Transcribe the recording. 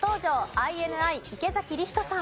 ＩＮＩ池理人さん。